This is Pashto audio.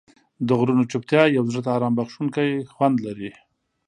د غرونو چوپتیا یو زړه ته آرام بښونکی خوند لري.